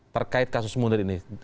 terkait kasus munir ini